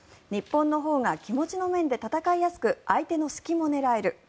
日本のほうが気持ちの面で戦いやすく相手の隙も狙える。